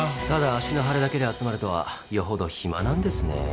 ただ足の腫れだけで集まるとはよほど暇なんですね。